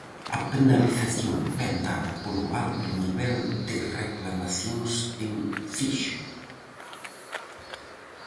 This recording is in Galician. A penalización vén dada "polo alto nivel de reclamacións en fixo".